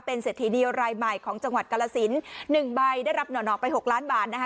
เป็นเศรษฐีเดียวรายใหม่ของจังหวัดกรสิน๑ใบได้รับหน่อนออกไป๖ล้านบาทนะคะ